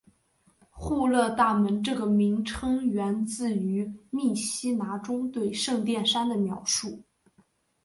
户勒大门这个名称源自于密西拿中对圣殿山的描述。